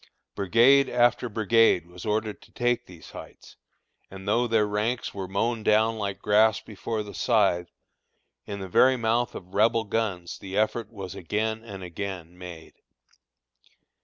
Brigade after brigade was ordered to take these heights, and though their ranks were mown down like grass before the scythe, in the very mouth of Rebel guns the effort was again and again made.